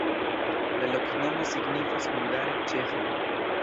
La loknomo signifas hungare: ĉeĥa.